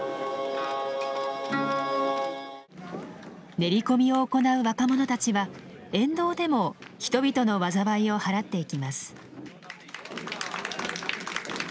練り込みを行う若者たちは沿道でも人々の災いをはらっていきます。